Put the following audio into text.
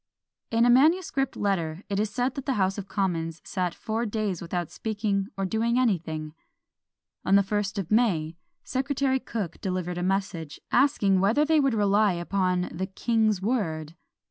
In a manuscript letter it is said that the House of Commons sat four days without speaking or doing anything. On the first of May, Secretary Cooke delivered a message, asking whether they would rely upon the king's word?